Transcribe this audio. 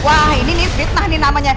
wah ini nih fitnah nih namanya